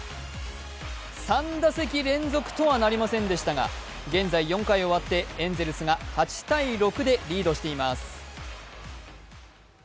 ３打席連続とはなりませんでしたが現在、４回終わってエンゼルスが８−６でリードしています。